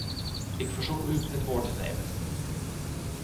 Ik verzoek u het woord te nemen.